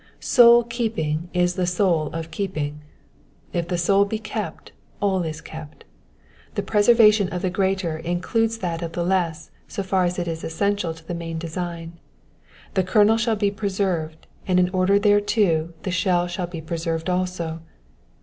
Soul keeping is the soul of keeping. If the soul be kept all is kept. The preservation of the greater includes that of the less so far as it is essential to the main design : the kernel shall be preserved, and in order thereto the ahell shall be preserved also.